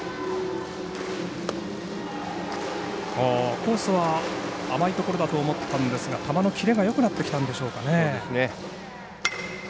コースは甘いところだと思ったんですが球のキレがよくなってきたんでしょうか。